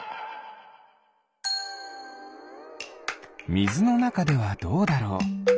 みずのなかではどうだろう？